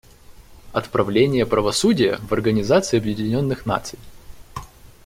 Отправление правосудия в Организации Объединенных Наций.